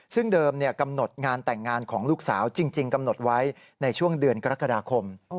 ซึ่งเดิมกำหนดงานแต่งงานของลูกสาวจริงกำหนดไว้ในช่วงเดือนกรกฎาคม